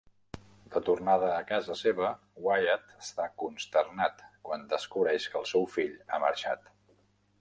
De tornada a casa seva, Wyatt està consternat quan descobreix que el seu fill ha marxat.